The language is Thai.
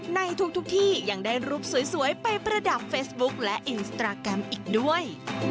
ในทุกที่ยังได้รูปสวยไปประดับเฟซบุ๊คและอินสตราแกรมอีกด้วย